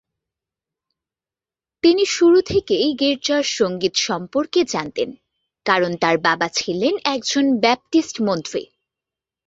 তিনি শুরু থেকেই গির্জার সঙ্গীত সম্পর্কে জানতেন, কারণ তার বাবা ছিলেন একজন ব্যাপটিস্ট মন্ত্রী ছিলেন।